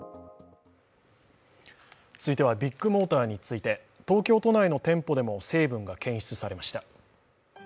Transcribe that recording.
続いてはビッグモーターについて東京都内の店舗でも成分が検出されました。